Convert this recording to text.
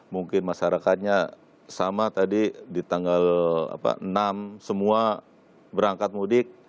mungkin masyarakatnya sama tadi di tanggal enam semua berangkat mudik